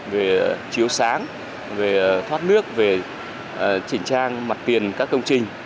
về chiếu sáng về thoát nước về chỉnh trang mặt tiền các công trình